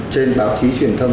trên báo chí truyền thông